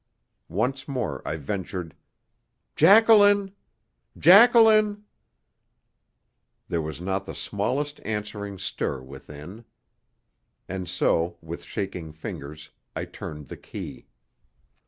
Once more I ventured: "Jacqueline! Jacqueline!" There was not the smallest answering stir within. And so, with shaking fingers, I turned the key.